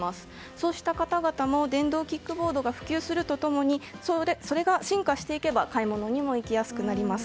そうした方々も電動キックボードが普及すると共にそれが進化していけば買い物にも行きやすくなります。